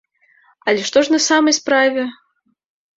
Але што ж на самай справе?